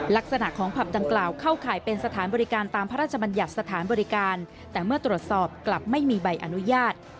ลักษณะของผับดังกล่าวเข้าข่ายเป็นสถานบริการตามพระราชบัญญัติสถานบริการแต่เมื่อตรวจสอบกลับไม่มีใบอนุญาต